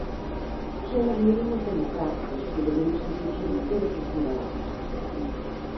Son os mínimos democráticos que debemos exixir todos os cidadáns.